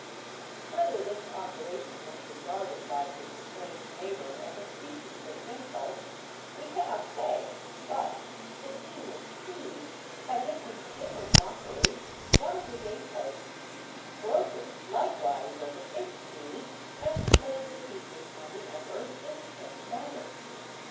Whether this operation was regarded by his strange neighbour as a species of insult we cannot say, but the demon seized, as if in bitter mockery, one of the gate–posts, broke it likewise over its knee, and laid the pieces on the embers in the same manner.